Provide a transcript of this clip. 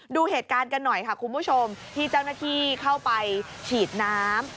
ดูเหตุการณ์กันหน่อยค่ะคุณผู้ชมที่เจ้าหน้าที่เข้าไปฉีดน้ำ